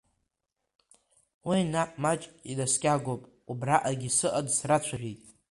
Уи наҟ маҷк инаскьагоуп, убраҟагьы сыҟан, срацәажәеит…